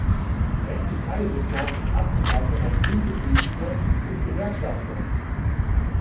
Rechte Kreise planten Attentate auf linke Politiker und Gewerkschafter.